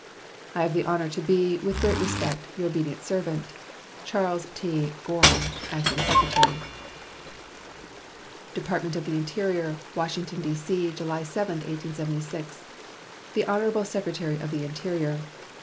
I have the honor to be, with great respect, your obedient servant, CHAS. T. GORHAM, Acting Secretary. DEPARTMENT OF THE INTERIOR, Washington, D.C., July 7, 1876. The HONORABLE SECRETARY OF THE INTERIOR.